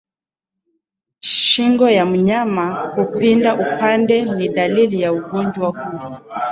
Shingo ya mnyama kupinda upande ni dalili za ugonjwa huu